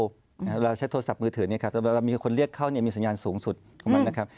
เราใช้โทรศัพท์มือถือเนี่ยครับแต่เวลามีคนเรียกเข้าเนี่ยมีสัญญาณสูงสุดของมันนะครับ